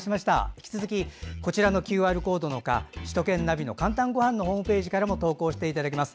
引き続きこちらのＱＲコードの他首都圏ナビ「かんたんごはん」のホームページからも投稿していただけます。